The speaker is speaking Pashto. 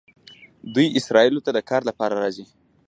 دوی اسرائیلو ته د کار لپاره راځي.